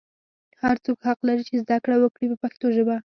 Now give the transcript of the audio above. هر څوک حق لري چې زده کړه وکړي په پښتو ژبه.